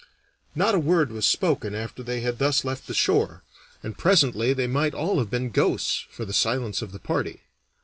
Not a word was spoken after they had thus left the shore, and presently they might all have been ghosts, for the silence of the party.